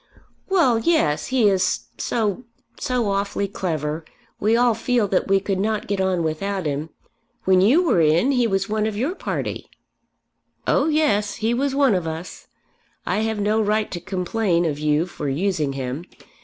"Well, yes; he is so, so awfully clever! We all feel that we could not get on without him. When you were in, he was one of your party." "Oh yes; he was one of us. I have no right to complain of you for using him.